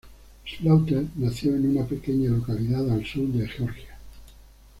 Slaughter nació en una pequeña localidad al sur de Georgia.